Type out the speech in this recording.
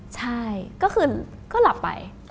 ใช่ก็คือก็หลับไป